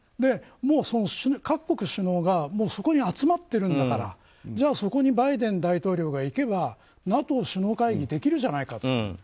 もう各国首脳がそこに集まってるんだからじゃあそこにバイデン大統領が行けばＮＡＴＯ首脳会議できるじゃないかと。